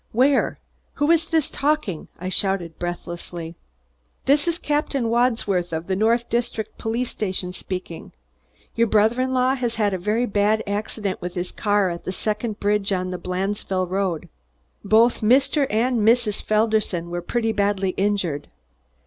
Where? Who is this talking?" I shouted breathlessly. "This is Captain Wadsworth of the North District Police Station speaking. Your brother in law had a very bad accident with his car at the second bridge on the Blandesville Road. Both Mr. and Mrs. Felderson were pretty badly injured."